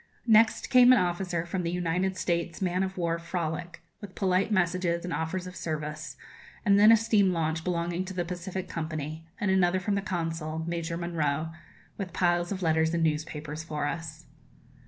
Next came an officer from the United States' man of war 'Frolic,' with polite messages and offers of service; and then a steam launch belonging to the Pacific Company, and another from the Consul, Major Monro, with piles of letters and newspapers for us.